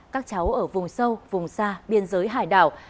các cháu ở vùng sâu vùng xa biên giới hải đảo